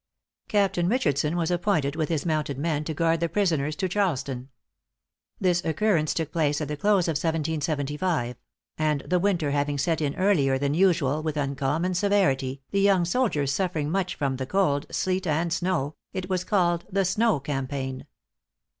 Captain Richardson was appointed with his mounted men to guard the prisoners to Charleston. This occurrence took place at the close of 1775; and the winter having set in earlier than usual with uncommon severity, the young soldiers suffering much from the cold, sleet, and snow, it was called the Snow Campaign.